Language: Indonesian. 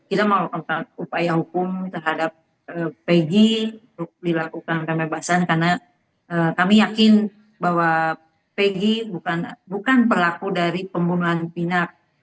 kita mau upaya hukum terhadap pegi untuk dilakukan kemebasan karena kami yakin bahwa pegi bukan perlaku dari pembunuhan pinak